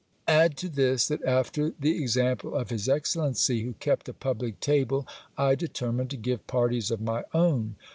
Add to this, that after the example of his excellency, who kept a public table, I determined to give parties of my own.